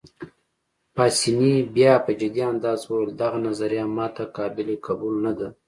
پاسیني بیا په جدي انداز وویل: دغه نظریه ما ته قابل قبول نه ده.